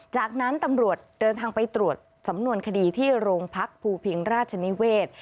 จากนั้นตำรวจเดินทางไปตรวจสำนวนคดีที่โรงพักภูพิงราชนิเวศ